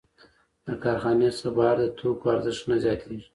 د کارخانې څخه بهر د توکو ارزښت نه زیاتېږي